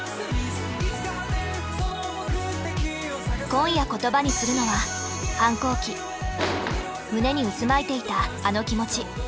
今夜言葉にするのは胸に渦巻いていたあの気持ち。